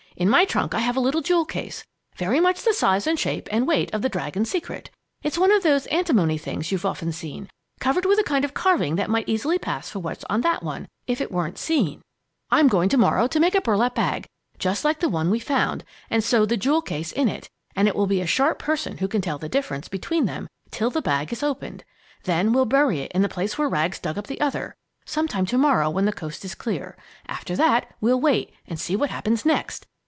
In my trunk I have a little jewel case, very much the size and shape and weight of the Dragon's Secret. It's one of those antimony things you've often seen, covered with a kind of carving that might easily pass for what's on that other one, if it weren't seen. I'm going to morrow to make a burlap bag, just like the one we found, and sew the jewel case in it, and it will be a sharp person who can tell the difference between them till the bag is opened. Then we'll bury it in the place where Rags dug up the other, some time to morrow when the coast is clear. After that we'll wait and see what happens next!